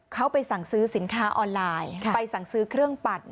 เขาไปสั่งซื้อสินค้าออนไลน์ไปสั่งซื้อเครื่องปั่น